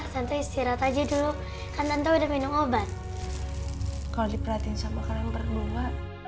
tante istirahat aja dulu kan tante udah minum obat kalau diperhatiin sama orang berdua